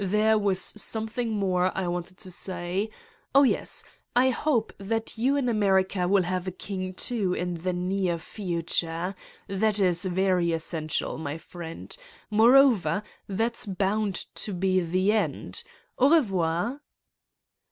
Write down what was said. There was something more I wanted to say. Oh, yes : I hope that you in America will have a king, too, in the near fu ture ... that is very essential, my friend. More over, that's bound to be the end! Au revoir!"